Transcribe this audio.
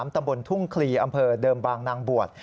ตำบลทุ่งคลีอำเภอเดิมบางนางบวช